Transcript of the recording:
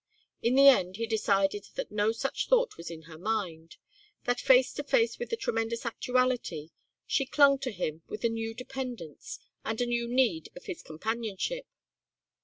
In the end he decided that no such thought was in her mind, that face to face with the tremendous actuality she clung to him with a new dependence, and a new need of his companionship.